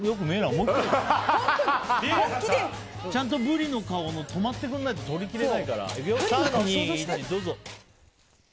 もう１回。ちゃんとブリの顔で止まってくれないと撮りきれないから。